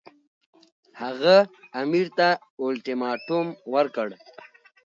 هغه امیر ته اولټیماټوم ورکړ.